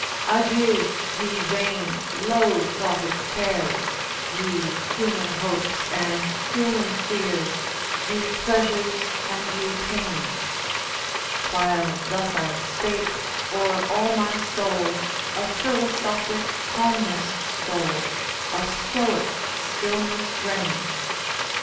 'Adieu, ye vain low thoughted cares, Ye human hopes, and human fears, Ye pleasures and ye pains!' While thus I spake, o'er all my soul A philosophic calmness stole, A stoic stillness reigns.